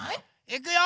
いくよ！